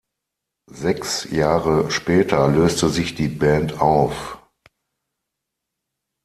Sechs Jahre später löste sich die Band auf.